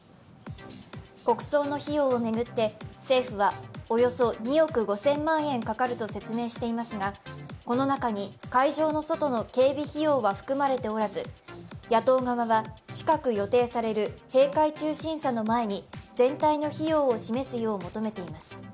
国葬の費用を巡って、政府はおよそ２億５０００万円かかると説明していますがこの中に、会場の外の警備費用は含まれておらず、野党側は、近く予定される閉会中審査の前に全体の費用を示すよう求めています。